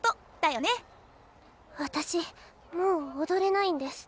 私もう踊れないんです。